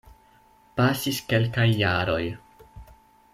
Pasis kelkaj jaroj.